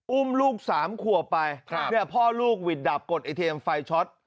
อุ้มลูกสามขวบไปพ่อลูกหวิดดับกดไอเทมไฟช็อต